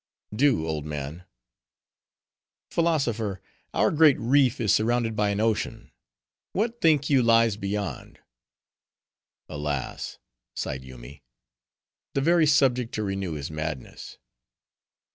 "Do, old man." "Philosopher, our great reef is surrounded by an ocean; what think you lies beyond?" "Alas!" sighed Yoomy, "the very subject to renew his madness."